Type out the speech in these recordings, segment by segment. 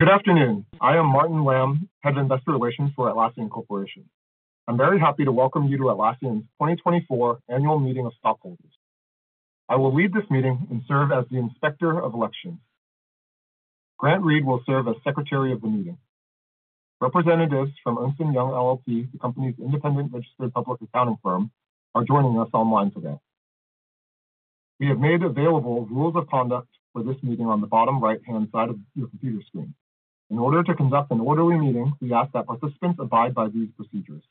Good afternoon. I am Martin Lam, Head of Investor Relations for Atlassian Corporation. I'm very happy to welcome you to Atlassian's 2024 Annual Meeting of Stockholders. I will lead this meeting and serve as the Inspector of Elections. Grant Reed will serve as Secretary of the Meeting. Representatives from Ernst & Young LLP, the company's independent registered public accounting firm, are joining us online today. We have made available rules of conduct for this meeting on the bottom right-hand side of your computer screen. In order to conduct an orderly meeting, we ask that participants abide by these procedures.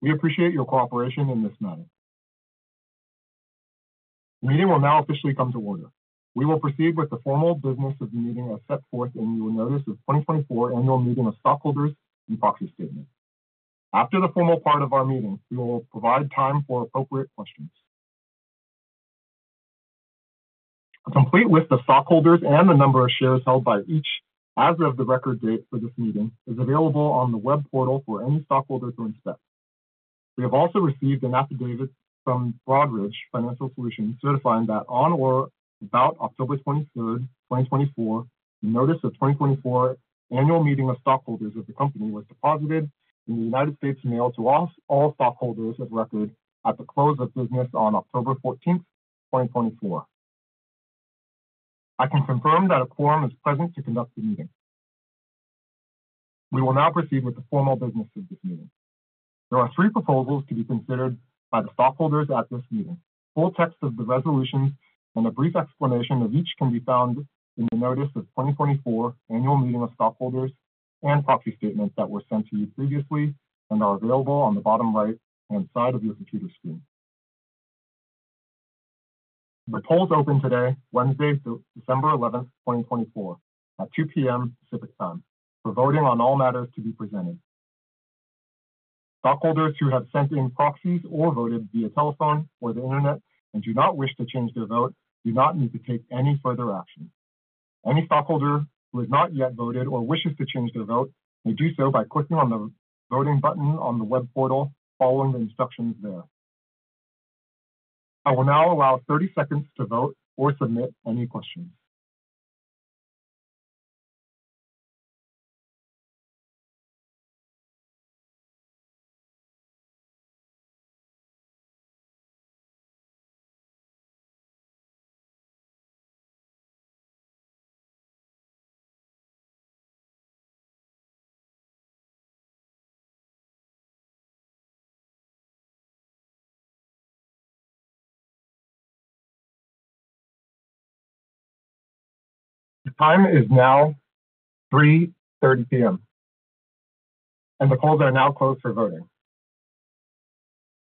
We appreciate your cooperation in this matter. The meeting will now officially come to order. We will proceed with the formal business of the meeting as set forth in your notice of 2024 Annual Meeting of Stockholders and Proxy Statement. After the formal part of our meeting, we will provide time for appropriate questions. A complete list of stockholders and the number of shares held by each as of the record date for this meeting is available on the web portal for any stockholder to inspect. We have also received an affidavit from Broadridge Financial Solutions certifying that on or about October 23rd, 2024, the notice of 2024 Annual Meeting of Stockholders of the company was deposited in the United States Mail to all stockholders of record at the close of business on October 14th, 2024. I can confirm that a quorum is present to conduct the meeting. We will now proceed with the formal business of this meeting. There are three proposals to be considered by the stockholders at this meeting. Full text of the resolutions and a brief explanation of each can be found in the notice of 2024 Annual Meeting of Stockholders and Proxy Statement that were sent to you previously and are available on the bottom right-hand side of your computer screen. The polls open today, Wednesday, December 11th, 2024, at 2:00 P.M. Pacific Time, for voting on all matters to be presented. Stockholders who have sent in proxies or voted via telephone or the internet and do not wish to change their vote do not need to take any further action. Any stockholder who has not yet voted or wishes to change their vote may do so by clicking on the voting button on the web portal and following the instructions there. I will now allow 30 seconds to vote or submit any questions. The time is now 3:30 P.M., and the polls are now closed for voting.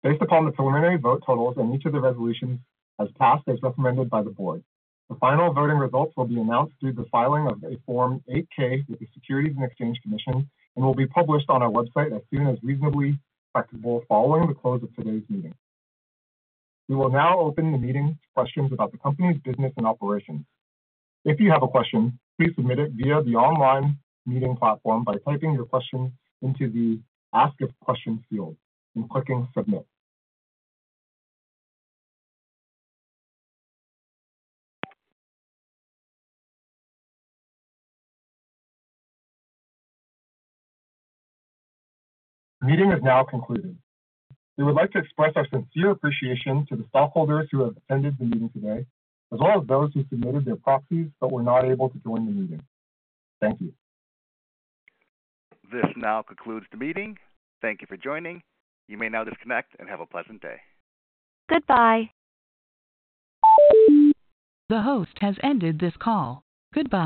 Based upon the preliminary vote totals and each of the resolutions as passed as recommended by the board, the final voting results will be announced through the filing of a Form 8-K with the Securities and Exchange Commission and will be published on our website as soon as reasonably acceptable following the close of today's meeting. We will now open the meeting to questions about the company's business and operations. If you have a question, please submit it via the online meeting platform by typing your question into the Ask a Question field and clicking Submit. The meeting is now concluded. We would like to express our sincere appreciation to the stockholders who have attended the meeting today, as well as those who submitted their proxies but were not able to join the meeting. Thank you. This now concludes the meeting. Thank you for joining. You may now disconnect and have a pleasant day. Goodbye. The host has ended this call. Goodbye.